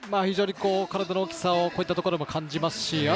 体の大きさをこういうところも感じますし